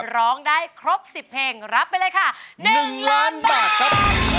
ร้องได้ครบ๑๐เพลงรับไปเลยค่ะ๑ล้านบาทครับ